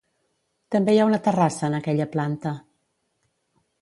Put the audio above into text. També hi ha una terrassa en aquella planta.